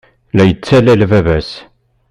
La yettalel baba-s.